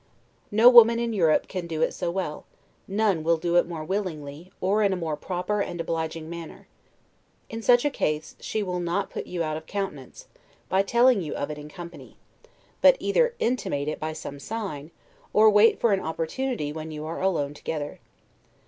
No woman in Europe can do it so well; none will do it more willingly, or in a more proper and obliging manner. In such a case she will not put you out of countenance, by telling you of it in company; but either intimate it by some sign, or wait for an opportunity when you are alone together.